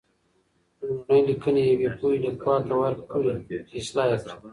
لومړني لیکنې یوې پوهې لیکوال ته ورکړئ چې اصلاح یې کړي.